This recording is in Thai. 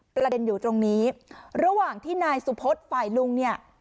ประเด็นอยู่ตรงนี้ระหว่างที่นายสุพธิ์ฝ่ายลุงเนี่ย